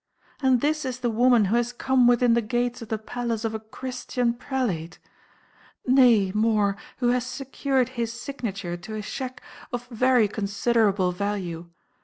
And this is the woman who has come within the gates of the palace of a Christian prelate; nay, more, who has secured his signature to a cheque of very considerable value.